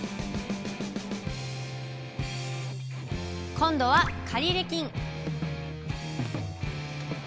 今度は借入金。